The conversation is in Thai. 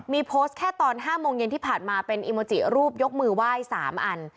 มีโพสต์แค่ตอน๕โมงเย็นที่ผ่านมาเป็นอิโมจิรูปยกมือไหว้๓อัน